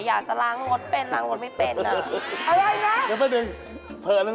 อยากจะล้างงดเป็นล้างงดไม่เป็น